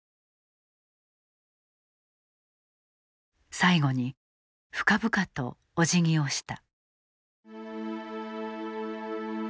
最後に、深々とおじぎをした。